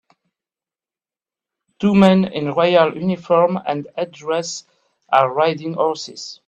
Two men in royal uniform and headdress are riding horses.